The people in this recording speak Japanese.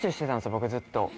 僕ずっと。